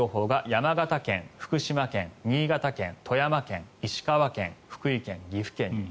山形県、福島県、新潟県富山県、石川県、福井県岐阜県に。